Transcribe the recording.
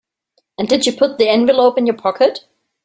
And did you put the envelope in your pocket?